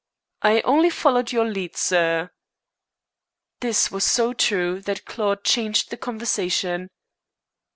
"I only followed your lead, sir." This was so true that Claude changed the conversation.